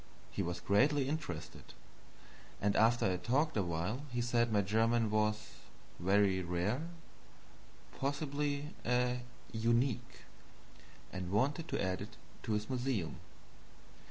He was greatly interested; and after I had talked a while he said my German was very rare, possibly a "unique"; and wanted to add it to his museum.